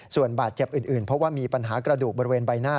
ส่วนบาดเจ็บอื่นเพราะว่ามีปัญหากระดูกบริเวณใบหน้า